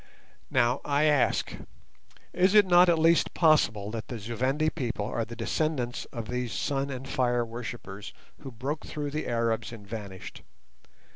Now, I ask, is it not at least possible that the Zu Vendi people are the descendants of these "sun and fire worshippers" who broke through the Arabs and vanished?